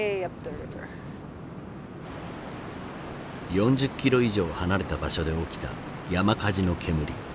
４０キロ以上離れた場所で起きた山火事の煙。